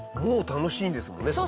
もう楽しいんですもんね